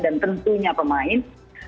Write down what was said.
dan tentunya pemain